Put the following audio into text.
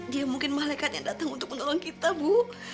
dia mungkin malaikat yang datang untuk menolong kita bu